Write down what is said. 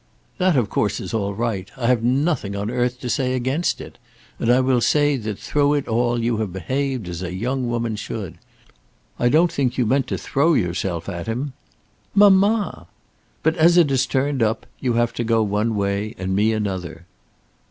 "That of course is all right. I have nothing on earth to say against it. And I will say that through it all you have behaved as a young woman should. I don't think you meant to throw yourself at him." "Mamma!" "But as it has turned up, you have to go one way and me another."